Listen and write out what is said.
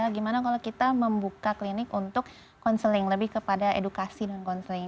gimana kalau kita membuka klinik untuk counseling lebih kepada edukasi dan counseling